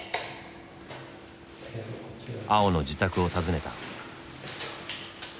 碧の自宅を訪ねた。